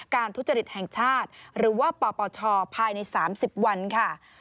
ทุจริตแห่งชาติหรือว่าปปชภายใน๓๐วันค่ะ